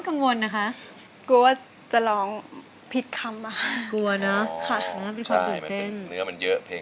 แฟนชาวบ้าน